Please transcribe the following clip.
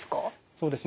そうですね